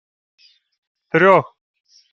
— Трьох.